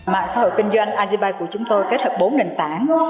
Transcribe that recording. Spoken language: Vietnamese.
mạng xã hội kinh doanh azibaba của chúng tôi kết hợp bốn nền tảng